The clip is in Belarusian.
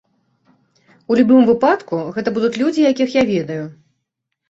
У любым выпадку, гэта будуць людзі, якіх я ведаю.